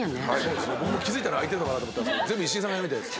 気付いたら開いてるのかなと思ったら全部石井さんがやるみたいです。